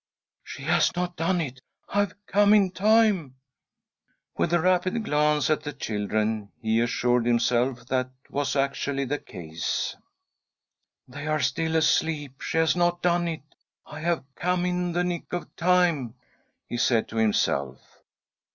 " She has not done it ! I have come in time I " With a rapid glance at the children, he assured himself that that was actually the case. " They are still asleep. She has not done it I I have come in the nick of time," he said to himself.